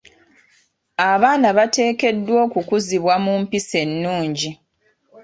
Abaana bateekeddwa okukuzibwa mu mpisa ennungi.